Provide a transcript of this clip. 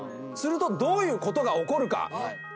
するとどういうことが起こるか。